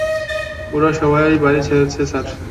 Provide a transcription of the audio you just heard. ওরা সবাই বাড়ি ছেড়েছে, স্যার।